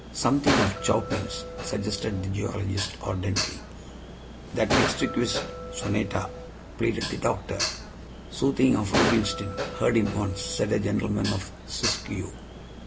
"Something of Chopin's," suggested the geologist, ardently. "That exquisite sonata!" pleaded the doctor. "Suthin' of Rubinstein. Heard him once," said a gentleman of Siskiyou.